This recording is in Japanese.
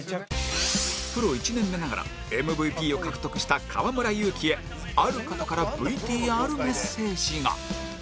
プロ１年目ながら ＭＶＰ を獲得した河村勇輝へある方から ＶＴＲ メッセージが